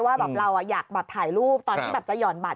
ว่าเราอยากถ่ายรูปตอนที่จะหย่อนบัตร